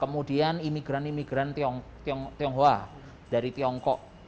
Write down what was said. kemudian imigran imigran tionghoa dari tiongkok